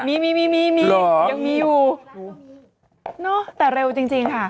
มีมีมียังมีอยู่เนอะแต่เร็วจริงจริงค่ะ